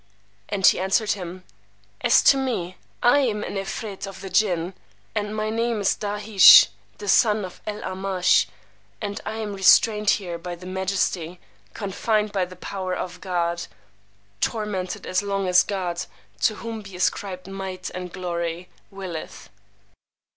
And he answered him, As to me, I am an 'Efreet of the Jinn, and my name is Dáhish the son of El Amash, and I am restrained here by the majesty, confined by the power, [of God,] tormented as long as God (to whom be ascribed might and glory!) willeth.